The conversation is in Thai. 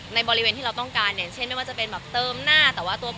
ในบริเวณที่เราต้องการเช่นไม่ว่าจะเป็นเติมหน้า